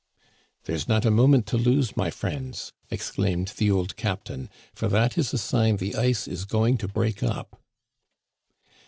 "There's not a moment to lose, my friends," ex claimed the old captain, " for that is a sign the ice is go ing to break up."